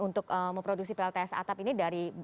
untuk memproduksi plts atap ini dari